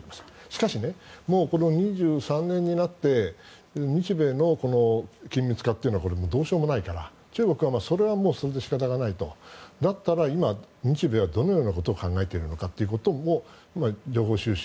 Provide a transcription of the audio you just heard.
しかし、この２３年になって日米の緊密化はこれはどうしようもないから中国はそれはそれで仕方がないからだったら、今、日米はどのようなことを考えているのかということを情報収集